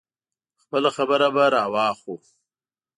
خپله خبره به راواخلو.